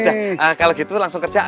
udah kalau gitu langsung kerja